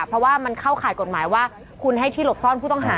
เพราะว่ามันเข้าข่ายกฎหมายว่าคุณให้ที่หลบซ่อนผู้ต้องหา